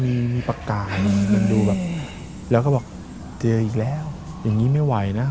ประกาศมันดูแบบแล้วก็บอกเจออีกแล้วอย่างนี้ไม่ไหวนะ